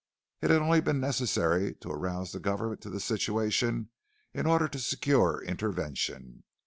It had only been necessary to arouse the government to the situation in order to secure intervention.